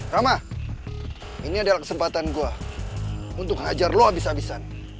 rama ini adalah kesempatan gua untuk ngajar lo abis abisan